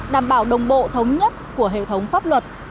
đảm bảo đồng bộ thống nhất của hệ thống pháp luật